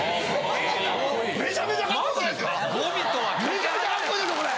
めちゃめちゃカッコいいでしょこれ。